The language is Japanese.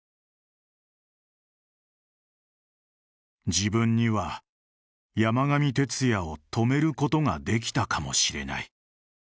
自分には山上徹也を止めることができたかもしれない。